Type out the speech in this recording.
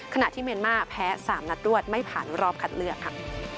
ที่เมียนมาร์แพ้๓นัดรวดไม่ผ่านรอบคัดเลือกค่ะ